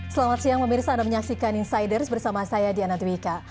selamat siang pemirsa anda menyaksikan insiders bersama saya diana dwika